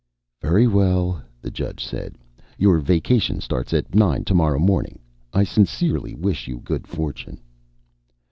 "Very well," the judge said. "Your vacation starts at nine tomorrow morning. I sincerely wish you good fortune."